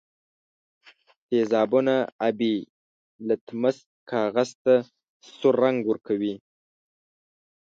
تیزابونه آبي لتمس کاغذ ته سور رنګ ورکوي.